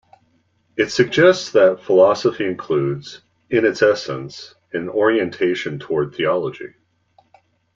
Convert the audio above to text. It suggests that philosophy includes, in its essence, an orientation toward theology.